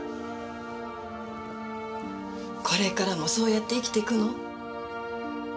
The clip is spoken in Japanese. これからもそうやって生きていくの？